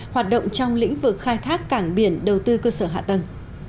hoạt động trong lĩnh vực khai thác cảng biển đầu tư cơ sở hạ tầng